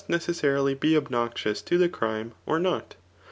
197 necesaarily be obnoxious to the crime, or not.